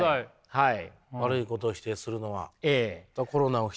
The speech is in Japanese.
はい。